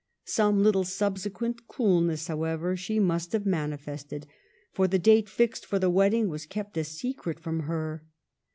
Some little subsequent coolness, however, she must have manifested, for the date fixed for the wedding was kept a secret from her.